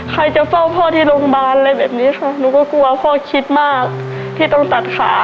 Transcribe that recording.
ใครจะเฝ้าพ่อที่โรงพยาบาลอะไรแบบนี้ค่ะหนูก็กลัวพ่อคิดมากที่ต้องตัดขา